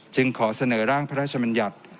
จึงขอเสนอร่างพระชาบัญญัติ